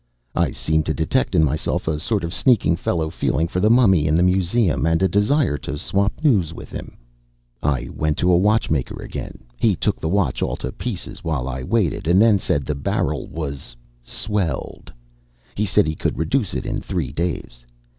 I seemed to detect in myself a sort of sneaking fellow feeling for the mummy in the museum, and a desire to swap news with him. I went to a watchmaker again. He took the watch all to pieces while I waited, and then said the barrel was "swelled." He said he could reduce it in three days.